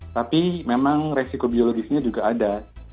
tapi memang resiko biologisnya juga ada